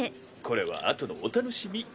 これは後のお楽しみ♥